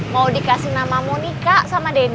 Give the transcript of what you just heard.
mau dikasih nama monika sama dede